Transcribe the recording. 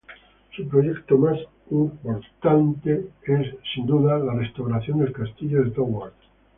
Su proyecto más importantes es, sin duda, la restauración del castillo de Toward.